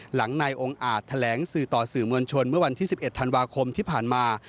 หลังนายองค์อาจแถลงสื่อต่อสื่อมวลชนเมื่อวันที่๑๑ธันวาคมที่ผ่านมา